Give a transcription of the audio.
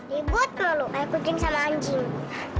dibuat melukai kucing sama anjing